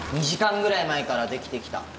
２時間ぐらい前からできてきた。